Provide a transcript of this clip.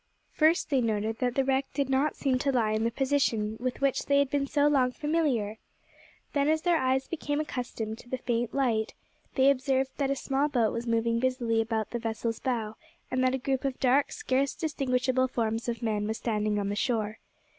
First, they noted that the wreck did not seem to lie in the position, with which they had been so long familiar. Then, as their eyes became accustomed to the faint light, they observed that a small boat was moving busily about the vessel's bow, and that a group of dark scarce distinguishable forms of men was standing on the shore.